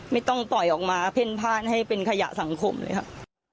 ไม่ต้องปล่อยออกมาเพ่นพ่านให้เป็นขยะสังคมเลยค่ะ